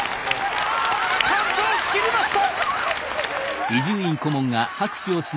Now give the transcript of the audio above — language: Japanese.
完走しきりました！